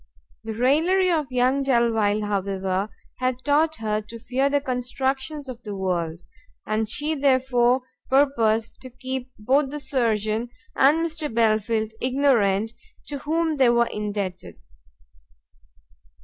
The raillery of young Delvile, however, had taught her to fear the constructions of the world, and she therefore purposed to keep both the surgeon and Mr Belfield ignorant to whom they were indebted.